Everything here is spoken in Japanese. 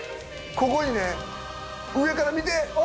ここにね上から見て。